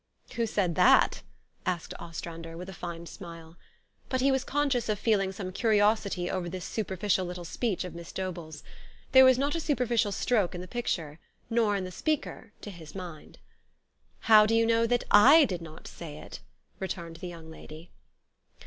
"" Who said that? " asked Ostrander, with a fine smile. But he was conscious of feeling some curi osity over this superficial little speech of Miss Dobell's. There was not a superficial stroke in the picture, nor in the speaker, to his mind. '' How do you know that I did not say it ?" re turned the young lady.